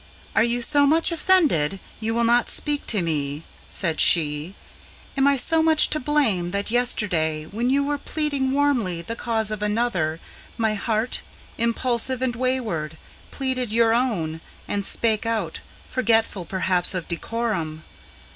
"Are you so much offended, you will not speak to me?" said she. "Am I so much to blame, that yesterday, when you were pleading Warmly the cause of another, my heart, impulsive and wayward, Pleaded your own, and spake out, forgetful perhaps of decorum?